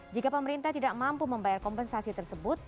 jika pemerintah tidak mampu membayar kompensasi tersebut